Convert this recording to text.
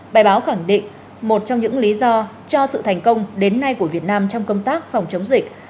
bài báo khẳng định một trong những lý do cho sự thành công đến nay của việt nam trong công tác phòng chống dịch